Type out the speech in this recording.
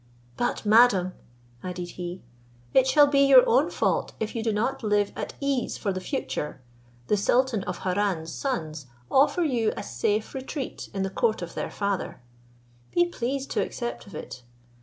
"But, madam," added he, "it shall be your own fault if you do not live at ease for the future. The sultan of Harran's sons offer you a safe retreat in the court of their father; be pleased to accept of it.